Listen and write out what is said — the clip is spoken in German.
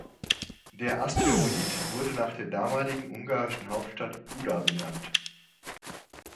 Der Asteroid wurde nach der damaligen ungarischen Hauptstadt Buda benannt.